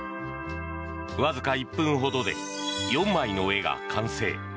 わずか１分ほどで４枚の絵が完成。